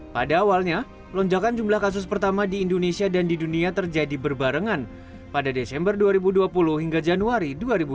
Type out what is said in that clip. pada awalnya lonjakan jumlah kasus pertama di indonesia dan di dunia terjadi berbarengan pada desember dua ribu dua puluh hingga januari dua ribu dua puluh